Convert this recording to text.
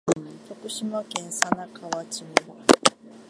徳島県佐那河内村